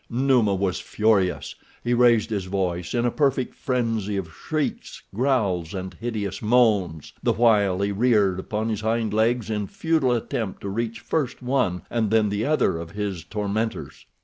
Numa was furious. He raised his voice in a perfect frenzy of shrieks, growls, and hideous moans, the while he reared upon his hind legs in futile attempt to reach first one and then the other of his tormentors.